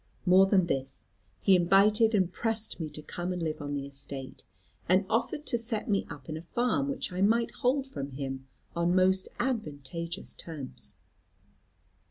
More than this, he invited and pressed me to come and live on the estate, and offered to set me up in a farm which I might hold from him on most advantageous terms.